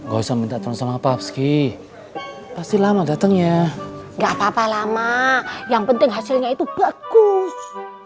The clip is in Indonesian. gosong minta transaksi pasti lama datang ya enggak papa lama yang penting hasilnya itu bagus